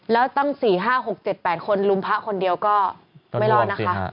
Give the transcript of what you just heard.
แล้วตั้ง๔๕๖๗๘คนลุมพระคนเดียวก็ไม่รอดนะคะ